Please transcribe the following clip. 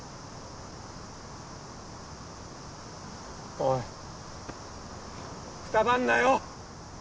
おいくたばんなよ！